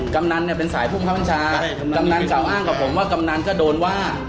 กำนันเนี่ยเป็นสายภูมิครับบัญชากำนันกล่าวอ้างกับผมว่ากำนันก็โดนว่า